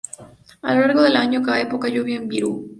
A lo largo del año, cae poca lluvia en Virú.